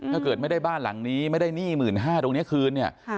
ถ้าเกิดไม่ได้บ้านหลังนี้ไม่ได้หนี้๑๕๐๐ตรงนี้คืนเนี่ย